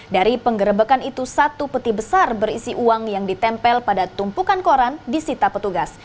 dari penggerebekan itu satu peti besar berisi uang yang ditempel pada tumpukan koran disita petugas